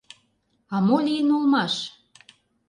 А мо лийын улмаш?